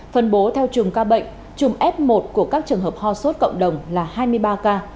phân bố theo chùm ca bệnh chùm f một của các trường hợp ho sốt cộng đồng là hai mươi ba ca